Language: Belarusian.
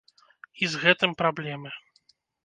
І з гэтым праблемы.